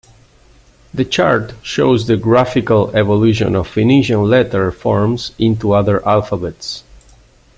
The chart shows the "graphical" evolution of Phoenician letter forms into other alphabets.